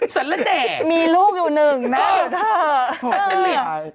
สันละแด่มีลูกอยู่หนึ่งแม่ก็เธอโอ้โฮแต่จะเหลียน